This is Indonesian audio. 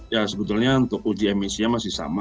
ya sebetulnya untuk uji emisinya masih sama